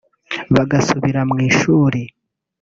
bagasubira mu ishuri